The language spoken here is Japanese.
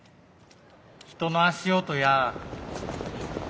人の足音や。